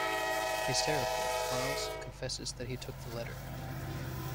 Hysterical, Miles confesses that he took the letter.